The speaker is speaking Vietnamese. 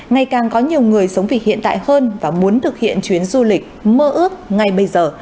ngày càng có nhiều người sống vì hiện tại hơn và muốn thực hiện chuyến du lịch mơ ước ngay bây giờ